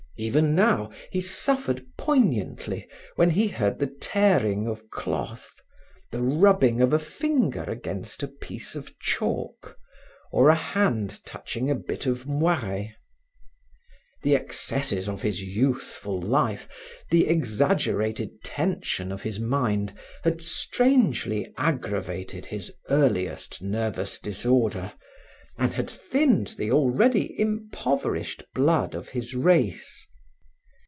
Even now he suffered poignantly when he heard the tearing of cloth, the rubbing of a finger against a piece of chalk, or a hand touching a bit of moire. The excesses of his youthful life, the exaggerated tension of his mind had strangely aggravated his earliest nervous disorder, and had thinned the already impoverished blood of his race.